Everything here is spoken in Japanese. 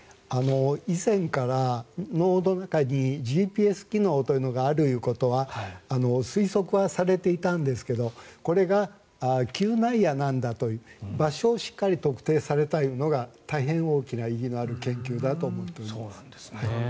以前から脳の中にＧＰＳ機能というものがあるということは推測はされていたんですけどこれが嗅内野なんだという場所をしっかり特定されたというのが大変大きな意義のある研究だと思っています。